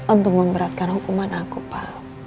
untuk memberatkan hukuman aku pak